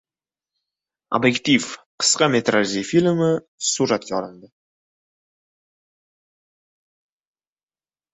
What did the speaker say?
“Ob’ektiv” qisqa metrajli filmi suratga olindi